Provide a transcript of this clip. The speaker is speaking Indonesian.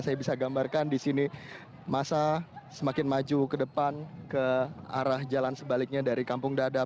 saya bisa gambarkan di sini masa semakin maju ke depan ke arah jalan sebaliknya dari kampung dadap